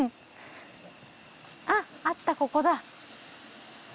あっあったここだ。